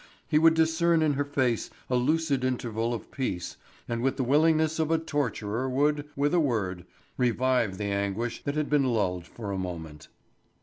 He would discern in her face a lucid interval of peace and with the willingness of a torturer would, with a word, revive the anguish that had been lulled for a moment.